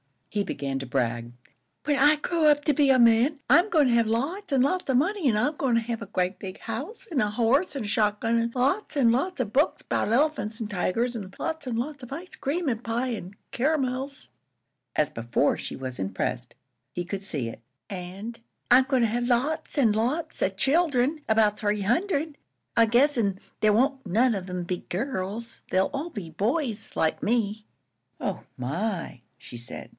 He began to brag. "When I grow up to be a man, I'm goin' to have lots an' lots of money, an' I'm goin' to have a grea' big house, an' a horse an' a shot gun, an' lots an' lots of books 'bout elephants an' tigers, an' lots an' lots of ice cream an' pie an' caramels." As before, she was impressed; he could see it. "An' I'm goin' to have lots an' lots of children 'bout three hundred, I guess an' there won't none of 'em be girls. They'll all be boys like me." "Oh, my!" she said.